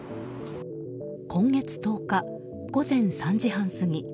今月１０日、午前３時半過ぎ